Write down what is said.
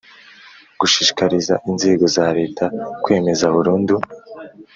gushishikariza inzego za Leta kwemeza burundu